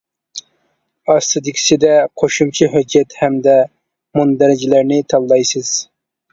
ئاستىدىكىسىدە قوشۇمچە ھۆججەت ھەمدە مۇندەرىجىلەرنى تاللايسىز.